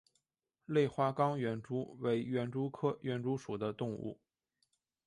类花岗园蛛为园蛛科园蛛属的动物。